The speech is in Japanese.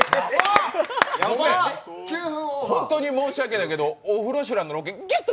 本当に申し訳ないけど、「オフロシュラン」のロケ、ギュッと。